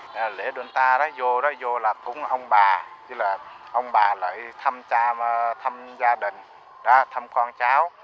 lễ sendonta vô là cúng ông bà ông bà lại thăm cha thăm gia đình thăm con cháu